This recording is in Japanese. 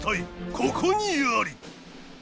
ここにあり！